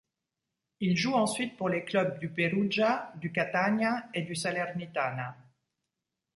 Il joue ensuite pour les clubs du Perugia, du Catania et du Salernitana.